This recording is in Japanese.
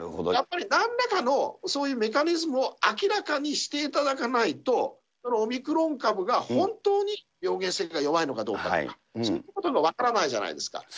やっぱりなんらかのそういうメカニズムを明らかにしていただかないと、オミクロン株が本当に病原性が弱いのかどうかとか、そういうことも分からないじゃないですか。